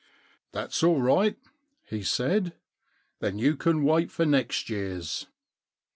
*" That's all right," he said. " Then you can wait for next year's."